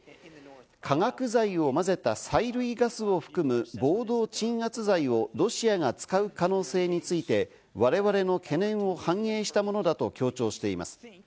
化学剤をまぜた催涙ガスを含む暴動鎮圧剤をロシアが使う可能性について、我々の懸念を反映したものだと強調しています。